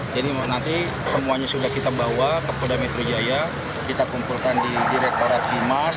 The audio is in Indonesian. jadi nanti semuanya sudah kita bawa ke kepoda metro jaya kita kumpulkan di direktorat gimas